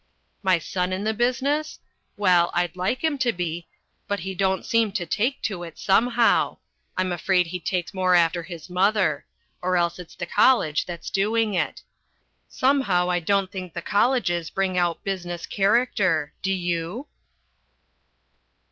My son in the business? Well, I'd like him to be. But he don't seem to take to it somehow I'm afraid he takes more after his mother; or else it's the college that's doing it. Somehow, I don't think the colleges bring out business character, do you?